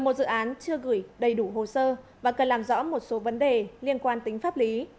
một dự án chưa gửi đầy đủ hồ sơ và cần làm rõ một số vấn đề liên quan tính pháp lý